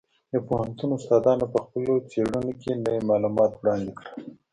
د پوهنتون استادانو په خپلو څېړنو کې نوي معلومات وړاندې کړل.